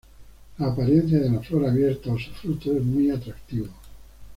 La apariencia de la flor abierta o su fruto es muy atractivo.